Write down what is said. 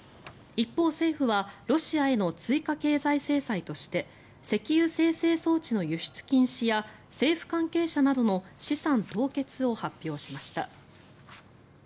一方、政府はロシアへの追加経済制裁として石油精製装置の輸出禁止や政府関係者などの資産凍結を発表しました。